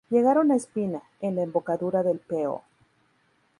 Llegaron a Espina, en la embocadura del Po.